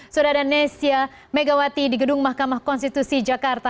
sudah ada nesya megawati di gedung mahkamah konstitusi jakarta